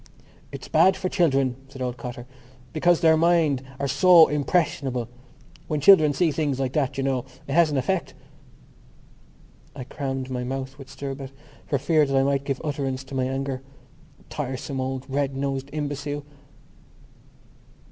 "It's bad for children," said old Cotter, "because their minds are so impressionable. When children see things like that, you know, it has an effect...." I crammed my mouth with stirabout for fear I might give utterance to my anger. Tiresome old red nosed imbecile!